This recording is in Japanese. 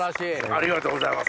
ありがとうございます。